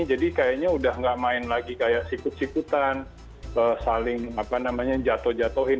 jadi kayaknya sudah tidak main lagi kayak sikut sikutan saling jatuh jatuhin